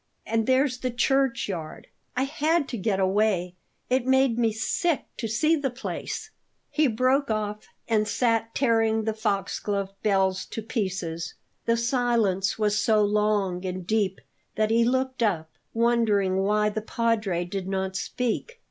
And there's the church yard I had to get away; it made me sick to see the place " He broke off and sat tearing the foxglove bells to pieces. The silence was so long and deep that he looked up, wondering why the Padre did not speak.